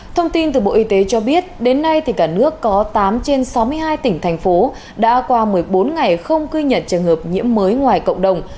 thông tin từ bộ y tế cho biết đến nay cả nước có tám trên sáu mươi hai tỉnh thành phố đã qua một mươi bốn ngày không ghi nhận trường hợp nhiễm mới ngoài cộng đồng